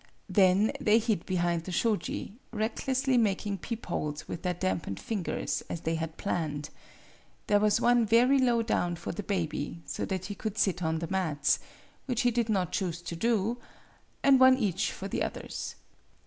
Then they hid behind the shoji, recklessly making peep holes with their dampened fin gers, as they had planned. There was one very low down for the baby, so that he could sit on the mats, which he did not choose to do, and one each for the others.